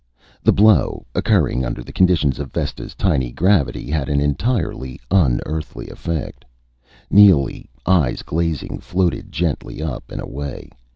The blow, occurring under the conditions of Vesta's tiny gravity, had an entirely un Earthly effect. Neely, eyes glazing, floated gently up and away.